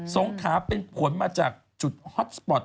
งขาเป็นผลมาจากจุดฮอตสปอร์ต